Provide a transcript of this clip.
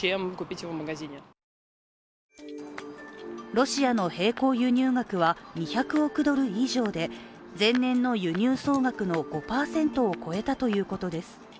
ロシアの並行輸入額は２００億ドル以上で前年の輸入総額の５％を超えたということです。